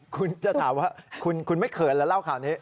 คุณจะถามว่าคุณไม่เขินแล้วเล่าข่าวนี้